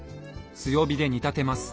強火で煮立てます。